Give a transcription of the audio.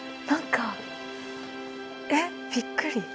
なんかえっびっくり。